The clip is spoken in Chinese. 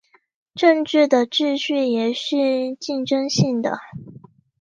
政治的程序也是竞争性的。